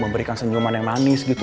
memberikan senyuman yang manis gitu